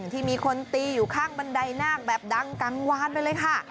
ที่มีคนตีอยู่ข้างบันไดนาคแบบดังกลางวานไปเลยค่ะ